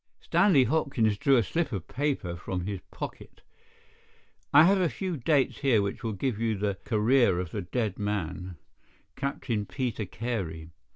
Stanley Hopkins drew a slip of paper from his pocket. "I have a few dates here which will give you the career of the dead man, Captain Peter Carey.